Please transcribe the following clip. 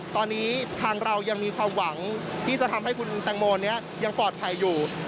ตอนนี้ทางเรายังมีความหวังที่จะทำให้คุณแตงโมนี้ยังปลอดภัยอยู่